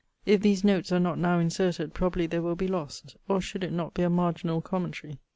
'If these notes are not now inserted, probably they will be lost: or should it not be a marginall commentary?'